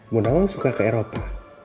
bunda wang suka ke eropa